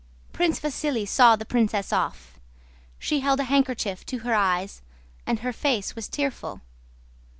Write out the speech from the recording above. Prince Vasíli saw the princess off. She held a handkerchief to her eyes and her face was tearful.